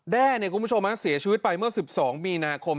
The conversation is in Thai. แด้เนี่ยคุณผู้ชมนะเสียชีวิตไปเมื่อ๑๒มีนาคม